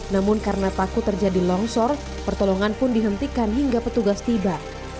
namun karena takut terjadi longsor pertolongan pun dihentikan hingga petugas tiba